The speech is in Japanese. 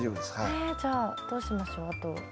えじゃあどうしましょうあと。